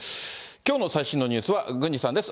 きょうの最新のニュースは郡司さんです。